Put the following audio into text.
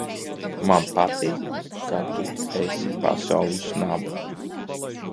Man patīk, ka tu esi pasaules naba!